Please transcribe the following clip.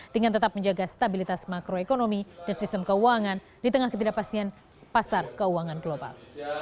dengan tetap menjaga stabilitas makroekonomi dan sistem keuangan di tengah ketidakpastian pasar keuangan global